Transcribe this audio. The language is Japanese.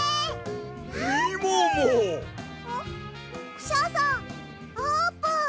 クシャさんあーぷん！